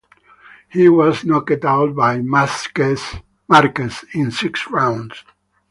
He was knocked out by Marquez in six rounds.